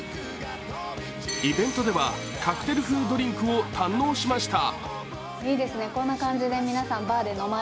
イベントではカクテル風ドリンクを堪能しました。